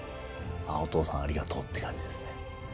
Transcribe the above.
ああ、お父さん、ありがとうって感じですね。